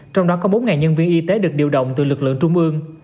trong đó có bốn nhân viên y tế được điều động từ lực lượng trung ương